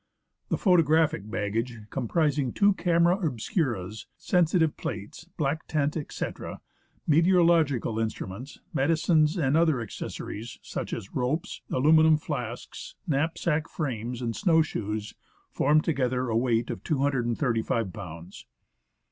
The photographic baggage, comprising two camera obscuras, sensitive plates, black tent, etc. ; meteorological instruments, medi cines and other accessories, such as ropes, aluminium flasks, knapsack frames and snow shoes, formed together a weight of 235 lbs.